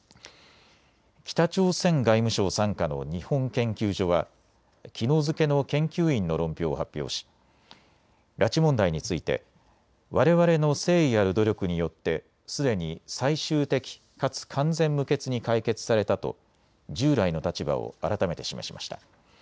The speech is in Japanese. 北朝鮮外務省傘下の日本研究所はきのう付けの研究員の論評を発表し、拉致問題について、われわれの誠意ある努力によってすでに最終的かつ完全無欠に解決されたと従来の立場を改めて示しました。